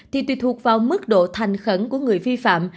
thì tùy thuộc vào mức độ thành khẩn của người vi phạm